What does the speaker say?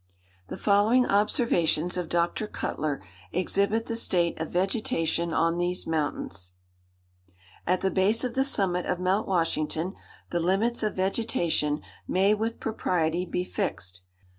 The following observations of Dr. Cutler exhibit the state of vegetation on these mountains:— "At the base of the summit of Mount Washington, the limits of vegetation may with propriety be fixed.